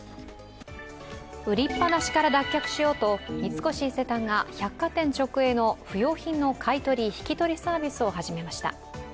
売りっぱなしから脱却しようと三越伊勢丹が不用品の買い取り・引き取りサービスを始めました。